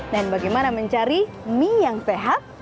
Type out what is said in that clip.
dan bagaimana mencari mie yang sehat